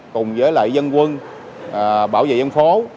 cùng với lại dân quân bảo vệ dân phố